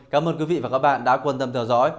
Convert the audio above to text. cảm ơn quý vị và các bạn đã quan tâm theo dõi